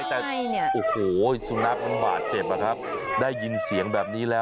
ต้องมองแบบนี้นะ